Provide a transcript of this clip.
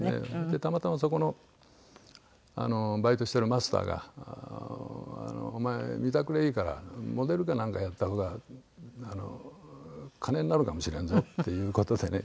たまたまそこのバイトしてるマスターが「お前見てくれはいいからモデルかなんかやった方が金になるかもしれんぞ」っていう事でね。